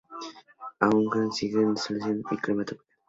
Aún se consigue en solución y crema tópica.